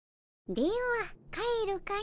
では帰るかの。